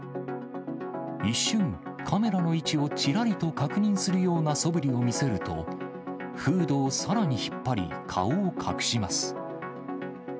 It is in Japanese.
一瞬、カメラの位置をちらりと確認するようなそぶりを見せると、フードをさらに引っ張り、顔を隠します。